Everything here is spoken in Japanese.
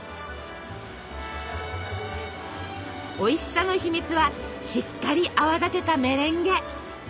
おいしさの秘密はしっかり泡立てたメレンゲ。